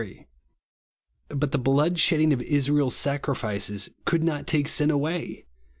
But the blood sheclding of Israel's sacri fices could not take sin away.